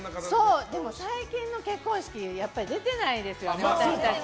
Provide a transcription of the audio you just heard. でも最近の結婚式やっぱり出てないですよね、私たち。